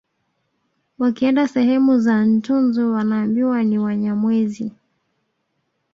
Wakienda sehemu za Ntunzu wanaambiwa ni Wanyamwezi